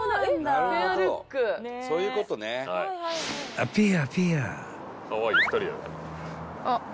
［あペアペア］